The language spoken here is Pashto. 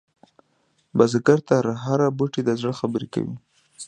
بزګر ته هره بوټۍ د زړه خبره کوي